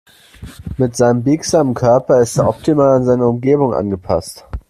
Mit seinem biegsamen Körper ist er optimal an seine Umwelt angepasst.